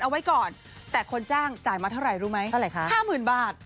เอาไว้ก่อนแต่คนจ้างจ่ายมาเท่าไหร่รู้ไหมเท่าไหร่คะ๕๐๐๐บาท